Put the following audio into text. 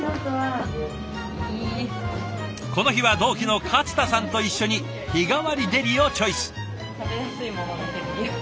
この日は同期の勝田さんと一緒に日替わりデリをチョイス。